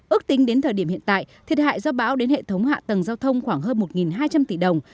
ước tính đến thời điểm hiện tại thiệt hại do bão đến hệ thống hạ tầng giao thông khoảng hơn một hai trăm linh tỷ đồng